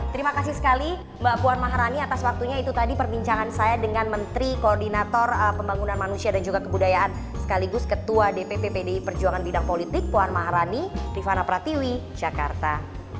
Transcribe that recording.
terima kasih sekali mbak puan maharani atas waktunya itu tadi perbincangan saya dengan menteri koordinator pembangunan manusia dan juga kebudayaan sekaligus ketua dpp pdi perjuangan bidang politik puan maharani rifana pratiwi jakarta